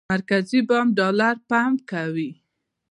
مرکزي بانک ډالر پمپ کوي.